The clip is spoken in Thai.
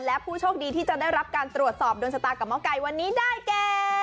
และผู้โชคดีที่จะได้รับการตรวจสอบโดนชะตากับหมอไก่วันนี้ได้แก่